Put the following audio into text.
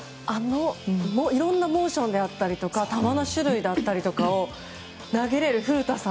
いろんなモーションであったりとか球の種類であったりを投げられる古田さん。